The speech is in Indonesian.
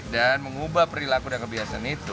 dan mengubah perilaku dan kebiasaan itu